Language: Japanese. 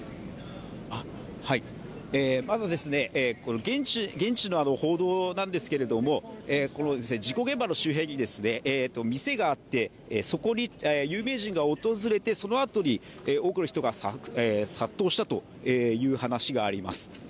まず現地の報道なんですけれども事故現場の周辺に店があって、そこに有名人が訪れてそのあとに多くの人が殺到したという話があります。